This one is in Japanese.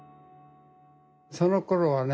そのころはね